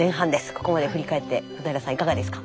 ここまでを振り返って小平さんいかがですか？